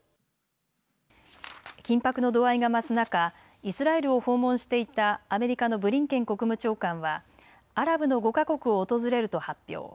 緊迫の度合いが増す中、イスラエルを訪問していたアメリカのブリンケン国務長官はアラブの５か国を訪れると発表。